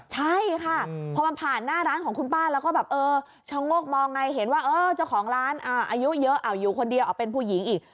ใช่ค่ะพอมันผ่านหน้าร้านของคุณป้าแล้วก็แบบเออชะโงกมองไงเห็นว่าเจ้าของร้านอายุเยอะอยู่คนเดียวเอาเป็นผู้หญิงอีก